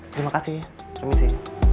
terima kasih ya permisi